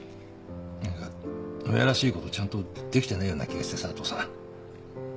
何か親らしいことちゃんとできてないような気がしてさお父さん。